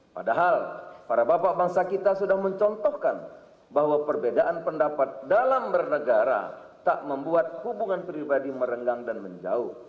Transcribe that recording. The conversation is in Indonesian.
padahal para bapak bangsa kita sudah mencontohkan bahwa perbedaan pendapat dalam bernegara tak membuat hubungan pribadi merenggang dan menjauh